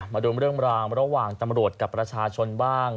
มาดูเรื่องราวระหว่างตำรวจกับประชาชนบ้าง